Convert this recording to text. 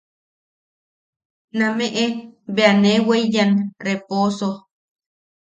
Nameʼe bea nee weeyan resopo.